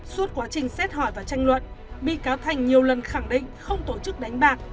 suốt quá trình xét hỏi và tranh luận bị cáo thành nhiều lần khẳng định không tổ chức đánh bạc